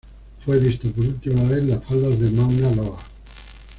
Fue visto por última vez en las faldas del Mauna Loa.